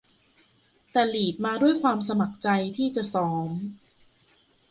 แต่ลีดมาด้วยความสมัครใจที่จะซ้อม